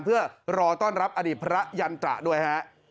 เพื่อรอต้อนรับอดีตพระยันตระด้วยฮะ